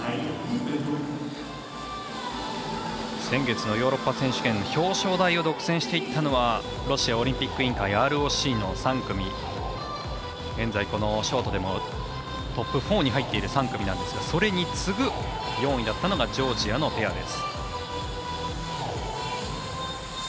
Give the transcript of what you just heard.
先月のヨーロッパ選手権表彰台を独占していったのはロシアオリンピック委員会＝ＲＯＣの３組、現在のショートでもトップ４に入っている３組なんですが、それに次ぐ４位だったのがジョージアのペア。